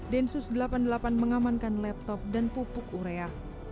densus delapan puluh delapan mengamankan laptop dan pupuk urea